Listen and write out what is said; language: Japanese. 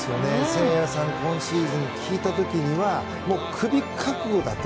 誠也さん、今シーズン聞いた時にはもうクビ覚悟だと。